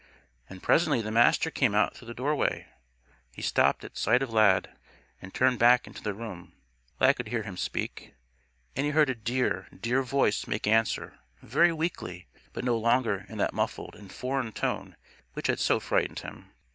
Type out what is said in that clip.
And presently the Master came out through the doorway. He stopped at sight of Lad, and turned back into the room. Lad could hear him speak. And he heard a dear, dear voice make answer; very weakly, but no longer in that muffled and foreign tone which had so frightened him.